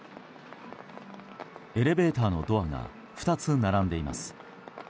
エレベーターのドアが２つ並んでいます。